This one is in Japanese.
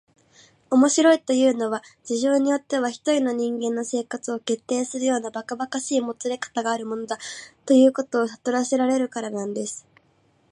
「面白いというのは、事情によっては一人の人間の生活を決定するようなばかばかしいもつれかたがあるものだ、ということをさとらせられるからなんです」